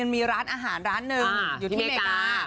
มีร้านอาหารร้านหนึ่งอยู่ที่อเมริกา